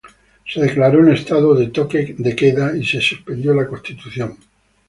Se declaró un estado de Toque de queda y se suspendió la constitución.